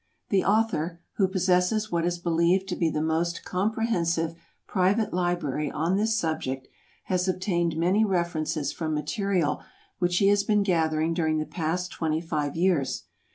The author, who possesses what is believed to be the most comprehensive private library on this subject, has obtained many references from material which he has been gathering during the past twenty five years.